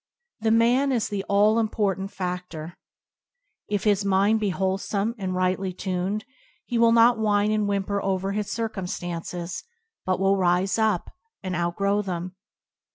The man is the all important fa&or. If his mind be wholesome and rightly tuned, he will not whine and whimper over his circumstances, [ 16] TBoOp anD Circum0tance but will rise up, and outgrow them.